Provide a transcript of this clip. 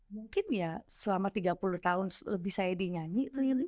mungkin ya selama tiga puluh tahun lebih saya dinyanyi